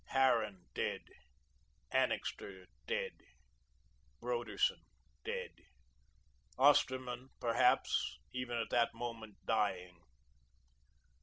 Harran dead, Annixter dead, Broderson dead, Osterman, perhaps, even at that moment dying.